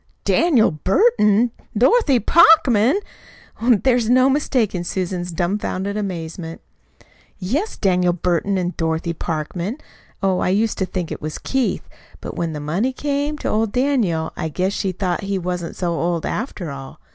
"Daniel Burton Dorothy Parkman!" There was no mistaking Susan's dumfounded amazement. "Yes, Daniel Burton an' Dorothy Parkman. Oh, I used to think it was Keith; but when the money came to old Daniel I guess she thought he wasn't so old, after all.